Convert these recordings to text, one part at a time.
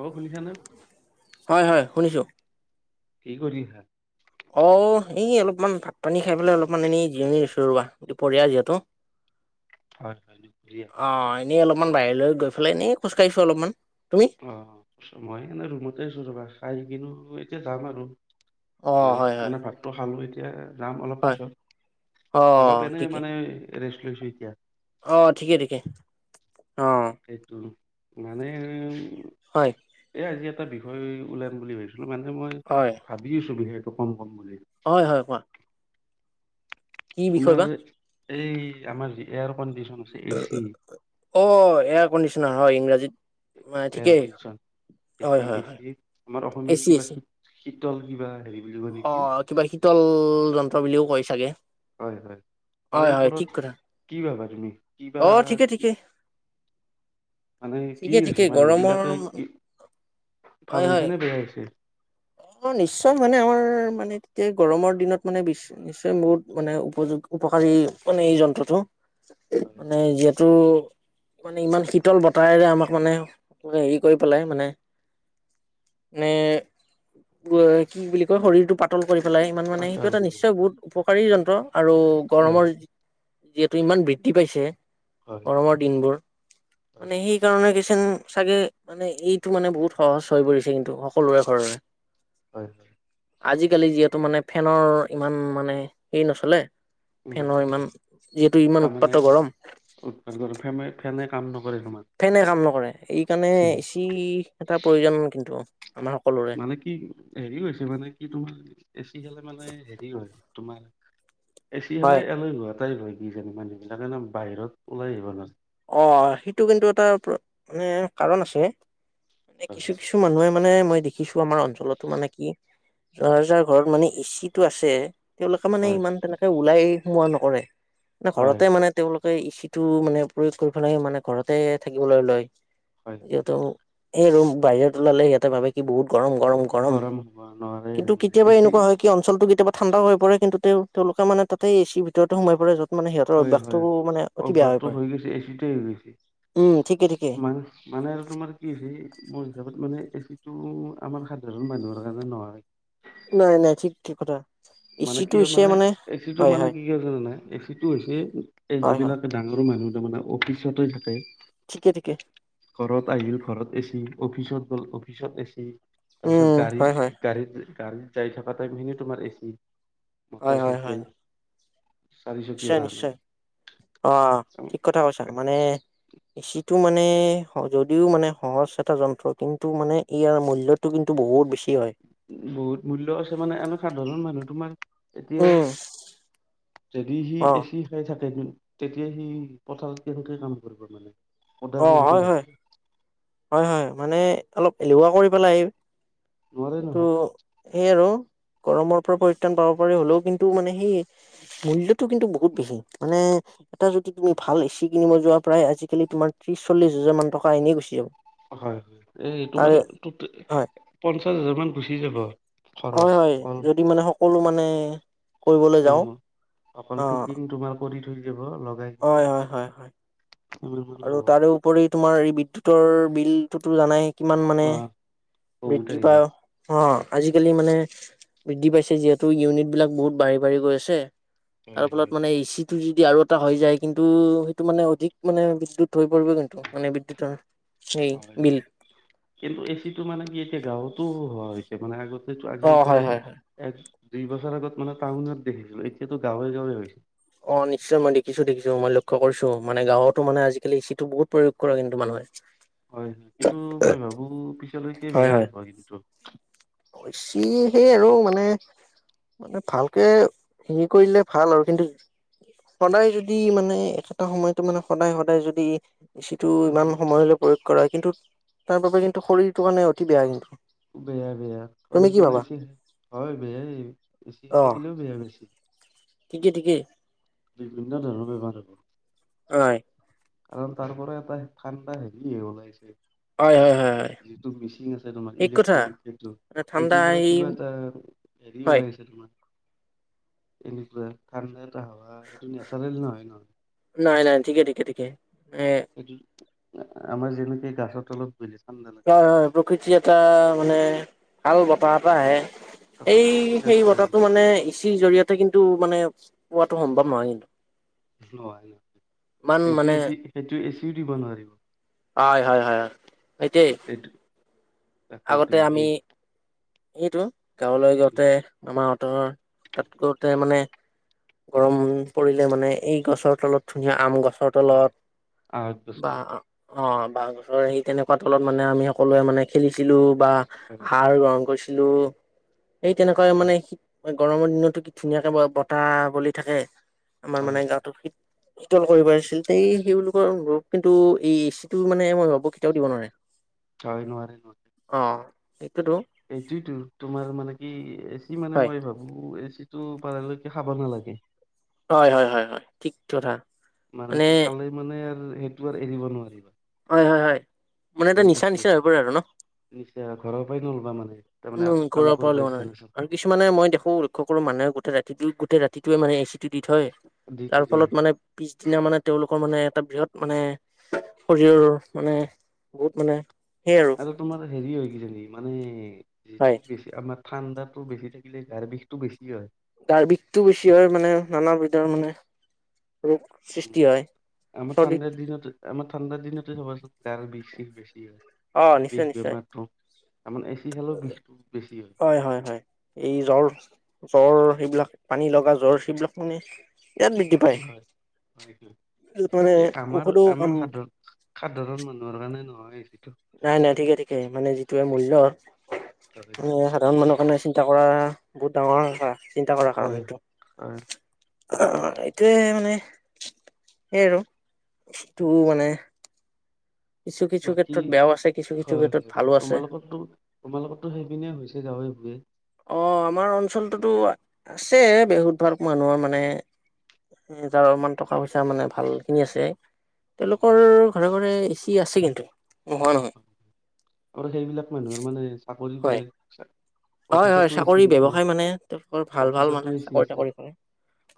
অ শুনিছানে হয়, হয় শুনিছোঁ। কি কৰি আছা? ওহ, এই অলপ মান ভাত পানী খাই পেলে অলপমান এনে জিৰণি লৈ ৰোৱাহ দুপৰীয়া যিহেতু। হয় হয় দুপৰীয়া অ', এনেই অলপমান বাহিৰলৈ গৈ বোলে এনেই খোজ কাঢ়িছো অলপমান। তুমি অ', মই এনে ৰুমতে আছো ৰ'বা [unintelligible] ত' এতিয়া যাম আৰু। অ এ হয় হয় মানে ভাতটো খালোঁ এত [unintelligible] যাম অলপ হয় পিছত, অ অলপ এনে ঠিকে মানে ৰেষ্ট লৈছো এতিয়া। অ', ঠিকে, ঠিকে। অ তাকেইটো। মানে হয় এ আজি এটা বিষয় ওলাম বুলি ভাবিছ মানে মই হয় ভাবি আছোঁ বিশেষ [unintelligible] হয়, হয় কোৱা। কি বিষয় তোমাৰ বা? এই আমাৰ যি এয়াৰ কণ্ডিচ অ' এয়াৰ কণ্ডিচ নহ ইংৰাজীত মানে এয়াৰ ঠিকেই কণ্ডিচন হয় এচি হয় হয় এচি। আমাৰ অসমীয়াত এচি কিবা এচি শী শীতল কিবা হেৰি বুলি কৈ অ নেকি, কিবা শীতল যন্ত্ৰ বুলিও কয় চাগে হয় হয়, হয় তাৰে হয় ঠিক ওপৰত কথা কি ভাবা। উম। কিবা অ ঠিকে ঠিকে কি। মানে কি ঠিকে হৈছে ঠিকে মানুহ গৰমৰ বিলাকে কি, ভাল হয় হৈছে হয় নে বেয়া হৈছে। অ' নিশ্চয় মানে আমাৰ মানে তেতিয়া গৰমৰ দিনত মানে নিশ্চয় বহুত মানে উপযোগ উপকাৰী মানে এই যন্ত্ৰটো। হয় মানে যেত। টো মানে শীতল বতাহেৰে আমাক মানে হেৰি পেলায় মানে মানে কি বুলি কয় শৰীৰটো পাতল। কৰি পেলাই ইমান মানে পাতৰা সেইটো এটা অলপমান। নিশ্চয় বহুত উপ। [unintelligible] যন্ত্ৰ। আৰু হয় গৰমৰ। যিহেতু ইমান বৃ দ্ধি পাইছে। হয় গৰমৰ দিনবোৰ হয় মানে সেই কাৰণে কিছু। চাগে মানে এইটো মানে বহুত সহজ হৈ পৰিছে কিন্তু সকলোৰে ঘৰৰে। হয়। আজিকালি যিহেতু মানে ফেনৰ ইমান মানে হেৰি নচলে। ফেনৰ ইমান যিহেতু ইমান। মানে উৎপাত গৰম [unintelligible] কেনে কাম নহ। ফেনে কাম নকৰে এই কাৰণে এচি এটা প্ৰয়োজন কিন্তু। আমাৰ সকলোৰে মানে কি হেৰি হৈছে মানে কি তোৰ এচি খালে মানে হেৰি হয়। তোমাৰ। এচি হয় হলে এলৈ। তাই হৈ কিছোন মানুহ বিলাকে নহ বাহিৰত ওলাই আহিব নোৱাৰে।। অ সেইটো কিন্তু এটা মানে কাৰণ আছে। মানে নোৱাৰে কিছু কিছু মানুহে। মানে মই দেখিছোঁ আমাৰ অঞ্চলতো মানে কি যাৰ যাৰ ঘৰত মানে এচিটো আছে। তেওঁলোকে মানে হয় ইমান তেনেকে ওলাই। সোমোৱা নকৰে। মানে হয় ঘৰতে মানে তেওঁলোক। সিটো মানে। প্ৰয়োগ কৰি পেলাই মানে ঘৰতে থাকিবলৈ লয়। হয় হয় হেটোয়। এই ৰুম বাহিৰত ওলালে সিহঁতে ভাবে কি বহুত গৰম গৰম গৰম হ'ব নোৱাৰে কিন্তু তাৰমানে কেতিয়াবা এচি এনেকুৱা হয় কি অঞ্চলটো কে কেতিয়াবা ঠাণ্ড হৈ পৰে কিন্তু তেওঁলোকে মানে তাতে এ চিৰ ভিতৰতে সোমাই পৰে য মানে সিহঁতৰ অভ্যাসটো মানে অতি বেয়া হৈ পৰে এই সেইটোৱে হৈ গৈছে উম ঠিকে ঠিকে মান মানে আৰু তোমাৰ কি হৈছি মোৰ হিচাপত মানে এচিটো আমাৰ সাধাৰণ মানুহৰ কাৰণে নহয়। নাই-নাই ঠিক-ঠিক কথা। মানে এচিটো কিয় হৈছে মানে এচিটো হয় মানে হয় কি [unintelligible] জানা এচিটো হৈছে এই হয় হয় যিবিলাক ডাঙৰ মানুহ যে মানে অফিচতেই থাকে ঠিকে-ঠিকে। ঘৰত আহিল ঘৰত এছি অফিচত গল অফিচত এছি তাৰপিছত উম হয় হয় গাড়ী-গাড়ী গাড়ীত যাই থকা টাইমখিনি তোমাৰ এচি। মটৰ চাইকেল চাৰিচকীয়া বাহনত নিশ্চয়-নিশ্চয় অ, ঠিক কথা কৈছা মানে [unintelligible] টো মানে হয় যদিও মানে সহজ এটা যন্ত্ৰ কিন্তু মানে ইয়াৰ মূল্যটো কিন্তু বহুত বেছি হয় বহুত মূল্য আছে মানে এনে সাধাৰণ মানুহ তোমাৰ এতিয়া উম যদি সি অ এছি খাই থাক [unintelligible] তেতিয়া সি পথাৰত কেনেকে কাম কৰিব মানে। অ [unintelligible] ইনকেই হয় হয় থাকে সি। হয়, হয়, মানে অলপ এলেহুৱা কৰি পেলাই আহি। নোৱাৰে কিন্তু নহয়। সেই আৰু গৰমৰ পৰা পৰিত্ৰাণ পাব পাৰ হলেও কিন্তু মানে সেই মূল্যটো কিন্তু বহুত বেছি মানে এটা যদি তুমি ভাল এ চি কিনিব যোৱা প্ৰায় আজিকালি তোমাৰ ত্ৰিশ চল্লিশ হাজাৰ মান টকা এনেই গুচি যাব। হয়, হয়, এই তোমাৰ তাৰে হয় [unintelligible] চাচ হাজাৰমান হয়, হয়, যদি মানে সকলো মানে কৰিবলৈ যাওঁ উম, অকল অ ফিটিং তোমাৰ কৰি [unintelligible] দিব হয়, হয়, হয়, হয়। সিমান মান আৰু ল'ব। তাৰে উপৰি তোমাৰ এই বিদ্যুতৰ বিলটোতো জানাই। কিমান মানে আহ, বহুত বিগি আহিব। পাও, অ আজিকালি মানে বৃদ্ধি পাইছে যিহেতু ইউনিট বিলাক বহুত বাঢ়ি বাঢ়ি গৈ আছে। তাৰ হয় ফলত হয়। মানে ই চি, যদি আৰু এটা হৈ যায় কিন্তু সেইটো মানে অধিক মানে [unintelligible] হৈ পৰিব কিন্তু মানে বিদ্যুতৰ সেই হয় বিল হয় কিন্তু এচিটো মানে কি এয়া গাঁৱতো হোৱা হৈছে মানে আগত আজিৰ অ', প হয়, হয়, হয়। এক দুই বছৰ আগত মানে টাউনত দেখিছিলো এতিয়া গাঁৱে গাঁৱে হৈছিল। অ নিশ্চয় মই দেখিছো দেখিছো মই লক্ষ্য কৰিছো মানে গাঁৱতো মানে আজিকালি চিটো বহুত প্ৰোগ কৰে কিন্তু মানুহে, হয় কিন্তু মই ভাবো পি ক ভেয়াৰ ভগিন্ত বছি সে আৰু মানে মানে ভালকে হেৰি কৰিলে ভাল আৰু কিন্তু সদায় যদি মানে এটাটা সময়তো মানে সদায় সদায় যদি ইচিটো উম, ইমান সময় হলে, কৰা কিন্তু তাৰ বাবে কিন্তু শৰীৰটো কাৰণে অতি বেয়া কিন্তু উবে তুমি কি ভাবা? বেয়াি হয় বেয়াই বচি খাই অ', থাকিলেও বেয়া বেছি। ঠিকে ঠিকে। ধৰৰ ব পাৰ হব। হয়! কাৰণ তাৰ পৰা এটা ঠাণ্ডা হেৰি ওলাইছে, হয় হয় হয় হয় যিটো মিচিং আছে তোমাৰ ঠিক কথা ইলেক্ট্ৰনিক সেই মানে ঠাণ্ডা সেইটোৰ পৰা আহি কিবা এটা হেৰি হয় ওলাইছে তোমাৰ এনেকুৱা হাৱা এইটো নেচাৰেল নহয় ন নাই নাই ঠিকে ঠিকে ঠিকে এ আমাৰ জিনকী [inaudible] হয় হয় প্ৰকৃতি এটা মানে ভাল বতাহ এটা আহে, হয় এই সেইটো সেই নেচাৰেল বতাহটো মানে ইচিৰ জৰিয়তে কিন্তু মানে, পোৱাতো সম্ভৱ নহয় কিন্তু, ইমান এইটো মানে এচি সেইটো এচিও দিব নোৱাৰিব। সতি তাকেই তো সেই সেইটো গাঁৱলৈ গাওঁতে আমাৰহঁতৰ তাত কৰোঁতে মানে গৰম পৰিলে মানে এই গছৰ তলত ধুনীয়া আম গ চৰ হয় তলত আঠ বা বছৰ অ', বাঁহ গছৰ সেই তেনেকুৱা তলত মানে আমি সকলোৱে মানে খেলিছিলোঁ বা হয় হাৰ ৰং গৈছিলোঁ। এই তেনেকুৱা মানে হয় শে ম গৰমৰ দিনটো কি ধুনীয়াকে ব-বতাহ বলি থাকে। আমাৰ মানে হয় গাঁৱতৰ শিত তল কৰিবাৰ আছিল তে সেইবোৰকৰ কিন্তু এই এচি টো মানে মই ভাবো কেতিয়াও দিব নোৱাৰে। হয় নোৱাৰে নোৱাৰে। এইটোতো। এইটোইতো তোমাৰ মানে কি এ কি মানে হয় মই ভাবো এই যিটো পাৰালৈকে খাব নালাগে। হয় হয় হয় হয়, ঠিক কথা। মানে কি, খালেই মানে আৰু সেইটো আৰু এৰিব নোৱাৰিবা। হয় হয় হয় মানে এটা নিচা নিচা হৈ পৰে আৰু ন [unintelligible] ঘৰৰ পাই ল'ল তাৰমানে উম, আকৌ কাম ঘৰৰ পৰা কৰিব লোৱা ইচ্ছা নাই নাছিল আৰু কিছুমানে মই দেখোঁ লক্ষ্য কৰো মানুহে গোটেই ৰাতিটো গোট ৰাতিতোৱে মানে এ চিটো দি থয়, দি থৈ যাৰ দিয়ে ফলত মানে পিছদিনা মানে তেওঁলোকৰ মানে এটা বৃহৎ মানে, শৰীৰৰ মানে, বহুত মানে আৰু তোমাৰ হেৰি হৈ গৈছে নেকি, মানে হয় যিটো বেছি আমা ঠাণ্ডাটো বেছি থাকিলে গাৰ বিষটো বেছি হয়। গাৰ বিষটো বেছি হয় মানে, আমাৰ ভিতৰৰ মানে ৰোগ সৃষ্টি উম, হয় আমাৰ চৰ্দিত ঠাণ্ডাৰ দিনতে-আমাৰ ঠাণ্ডাৰ দিনতে চাবাচোন গাৰ বিষ বিষ বেছি হয়। অ', বিষ নিশ্চয় নিশ্চয়, বেমাৰটো আমাৰ এচি খালেও বিষটো বেছি হয় হয় হয়, এই জ্বৰ-জ্বৰ সেইবিলাক, পানী লগাজ [unintelligible] হয় হয় যত মানে এই আমাৰ ঔষধো কাম আমাৰ সাধাৰণ সাধাৰণ মানুহৰ কাৰণে নহয়। হয়। নাই নাই ঠিকে ঠিকে, মানে যিটো মূল্য মানে সাধাৰণ মানুহ কাৰণে চিন্তা কৰা বহুত ডাঙৰ কথা চিন্তা কৰাৰ কাৰণ হয় এইটো। হয় আহ এইটোয় মানে সেই আৰুটো মানে কিছু কিছু বাকী ক্ষেত্ৰত বেয়াও আছে কিছু কিছু হয় ক্ষেত্ৰত হয় ভালো আছে তোমালোকো তোমালোকতো সেইপনে হৈছে গাঁৱে ভঞে অঁ আমাৰ অঞ্চলটোতো আছে বেহুতভাগ মানুহৰ মানে যাৰ অমান টকা পইচা মানে ভালখিনি আছে হয় হয়। তেওঁলোকৰ ঘৰে ঘৰে এচি আছে কিন্তু নোহোৱা নহয় আৰু সেইবিলাক মানুহৰ মানে চাকৰি হয় কৰে হয় হয় অফিচতো এচি চাকৰি আছে ব্য়ৱসায় মানে তেওঁলোকৰ ভাল ভাল অফিচতো মানে এচি চাকৰি- আছে তাকৰি কৰে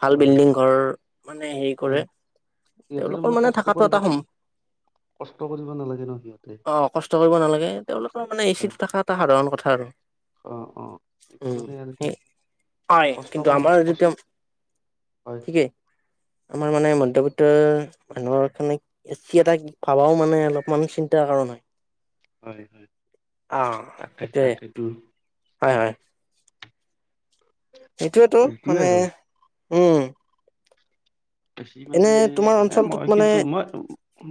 ভাল হয়। বিল্ডিং ঘৰ মানে হেৰি কৰে হয়। সিহঁতেতো তেওঁলোকৰ মানে কষ্ট থকাটো কৰিব এটা সম্ভৱ কষ্ট কৰিব নালাগে ন সিহঁতে অ কষ্ট নালাগে তেওঁলোকৰ মানে এ চি ট হয়। থকা এটা সাধাৰণ কথা আৰু অ অ এইটো উ মানে আৰু কি হয় কষ্ট কিন্তু কৰা আমাৰ যটো কষ্ট হয় ঠিকেই আমাৰ মানে মিত মানুহৰ কাৰণেছি এটা ভাবাও মানে অলপমান চিন্তাৰ কাৰণ হয় [unintelligible] হয় হয় অ' তাকে সেইটোয়ে তাকেইটো হয় হয়। সেইটোয়েতো এইটোৱে মানে আৰু উম বেছি মানে এনে তোমাৰ মানে অঞ্চলটোত মই মানে কিন্তু মই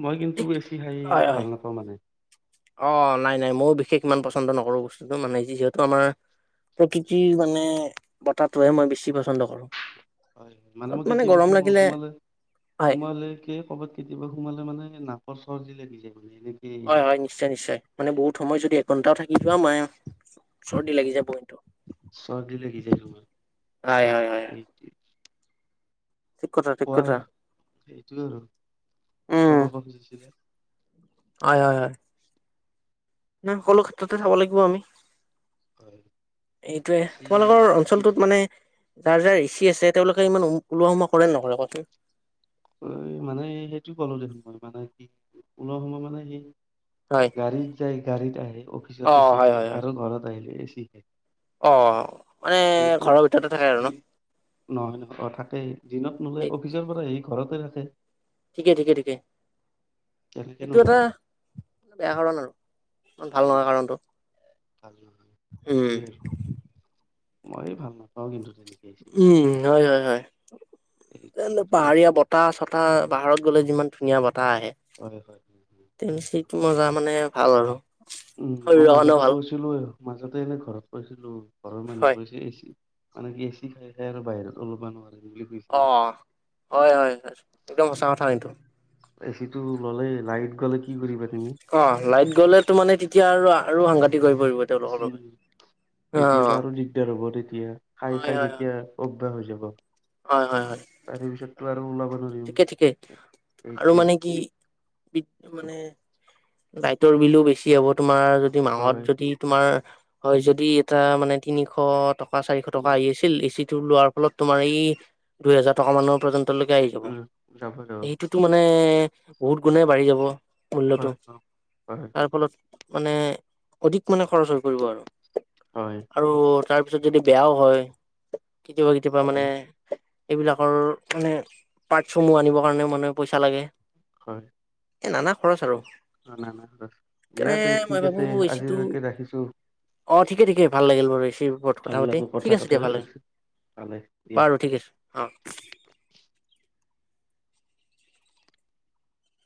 মই কিন্তু এ চি খাই হয় ভাল হয় নাপাওঁ মানে অ নাই নাই মইও বিশেষ ইমান পচন্দ নকৰো বস্তুটো মানে যিহেতু আমাৰ প্ৰকৃতিৰ মানে বতাহটোহে মই বেছি পচন্দ কৰো। হয় মানে য'ত মই কেতিয়াবা গৰম সোম লাগিলে সোমালে হয় সোমলে কে কৰ'ৰবাত কেতিয়াবা সোমালে মানে নাম [unintelligible] অৰ সহজি লাগি যায় [unintelligible] হয় হয় নিশ্চয় নিশ্চয়। মানে বহুত সময় যদি এঘণ্টাও থাকি যোৱা মাৰ সৰ্দি লাগী যায় হয় হয় হয় তোমাৰ এই ঠিক কথা ঠিক কথা কোৱাৰ সেইটো আৰু উম কিবা কব খুজিছিলে? হয় হয় হয়।। নাই সকলো ক্ষেত্ৰতে চাব লাগিব আমি। হয় এইটোৱে বেছি তোমালোকৰ কি অঞ্চলটোত মানে, যাৰ যাৰ এচি আছে তেওঁলোকে ইমান উ ওলোৱা সোমোৱা কৰে নকৰে কচোন? মানে সেইটো কলো দেখোন মই মানে কি ওলোৱা সময় মানে সি হয় গাড়ীত যাই গাড়ীত আহে অফিচত অ এচি হয় খাই হয় হয় আৰু ঘৰত আহিলে এচি ঠিকে। অ মানে ঘৰৰ ভিতৰতে থাকে আৰু ন নহয় নহয় অ থাকেই দিনত নলে অফিচৰ পৰা আহ [unintelligible] ঘৰতে থাকে। ঠিকে ঠিকে ঠিকে তেনেকে সেইটো এটা নোলায় বেয়া কাৰণ আৰু ইমান ভাল উম নহয় কাৰণটো। উম [unintelligible] মই ভাল নাপাওঁ কিন্তু তেনেই উম হয় হয় হয় এইটোৱে আৰু এচি পাহাৰীয়া বতাহ-চতাহ পাহাৰত গ'লে যিমান ধুনীয়া বতাহ বতাহ আহে হয় হয় হয় হয়। তে সেইটো মজা মানে ভাল আৰু। উম মই শৰীৰৰ কাৰণেও মাজতে ভাল কৈছিলো। মাজতে এনে ঘৰত কৈছিলো ঘৰৰ মানুহ হয় কৈছে আহিছি মানে গেছি খাই খাই আৰু বাহিৰত ওলাব নোৱাৰে অ হয় হয় হয় একদম সঁচা কথা হয়টো এ চি টো ল'লেই লাইট গ'লে কি কৰিবা অ লাইট গ'লে মানে তেতিয়া আৰু সাংঘাত অ তেতিয়াতো আৰু দিগদাৰ হ'ব তেতিয়া খাই হয় খাই হয় হয় তেতিয়া [unintelligible] হৈ যাব হয় হয় হয় তাৰে পিছততো আৰু ওলাব নোৱাৰিম। ঠিকে, ঠিকে আৰু মানে কি বিদ মানে লাইটৰ বিলোঁ বেছি হ'ব তোমাৰ যদি মাহত হয় যদি তোমাৰ হয়, যদি এটা মানে তিনিশ টকা চাৰিশ টকা উম আহি আছিল, এ চি টো লোৱাৰ পৰা অলপ তোমাৰ এই দুই হেজাৰ টকা মানৰ পৰ্যন্ত লৈকে উম যাব যাব এইতোটো মানে বহুত গুণে বাঢ়ি যাব। মূল্যটো হয় অ হয় তাৰ ফলত মানে অধিক মানে খৰচ হৈ পৰিব আৰু হয় আৰু হয় তাৰ পিছত যদি বেয়াও হয়। কেতিয়াবা কেতিয়াবা মানে হয় এইবিলাকৰ মানে পাৰ্টছসমূহ আনিব কাৰণেও মানে পইচা লাগে। হয়। এই নানা খৰচ আৰু। নানা দিয়া তে সেইকাৰণ মই ঠিক ভাবো আছে এচি টো আজিলৈকে ৰাখিছো অ ঠিকে- ঠিকে ভাল লাগিল বাৰু এচিৰ ওপৰত কথা ভাল পাতি লাগো ঠিক কথা আছে দিয়া পাতি ভাল লাগিল ভালে দিয়া বাৰু ঠিক ৰাখিছো আছে অ